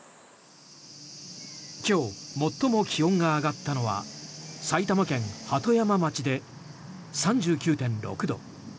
今日、最も気温が上がったのは埼玉県鳩山町で３９．６度。